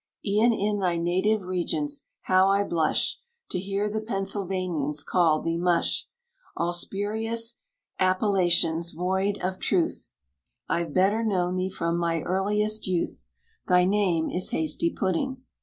E'en in thy native regions, how I blush To hear the Pennsylvanians call thee mush! All spurious appellations, void of truth; I've better known thee from my earliest youth: Thy name is Hasty Pudding!